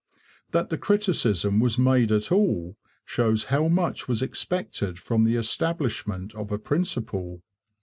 That the criticism was made at all shows how much was expected from the establishment of a principle.